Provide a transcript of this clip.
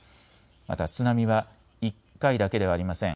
また津波は１回だけではありません。